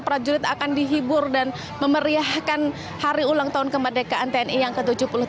prajurit akan dihibur dan memeriahkan hari ulang tahun kemerdekaan tni yang ke tujuh puluh tiga